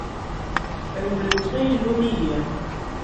Rewlemt ma yella umihi.